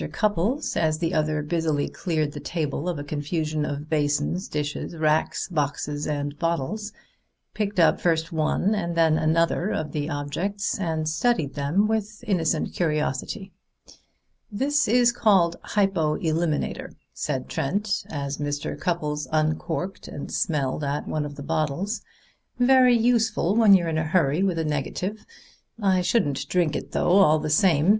Cupples, as the other busily cleared the table of a confusion of basins, dishes, racks, boxes and bottles, picked up first one and then another of the objects and studied them with innocent curiosity. "That is called hypo eliminator," said Trent as Mr. Cupples uncorked and smelled at one of the bottles. "Very useful when you're in a hurry with a negative. I shouldn't drink it, though, all the same.